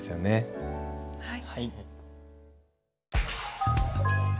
はい。